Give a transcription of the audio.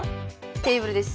テーブルです。